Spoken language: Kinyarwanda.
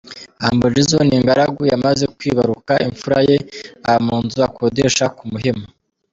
Humble Jizzo, ni ingaragu, yamaze kwibaruka imfura ye, aba mu nzu akodesha ku Muhima.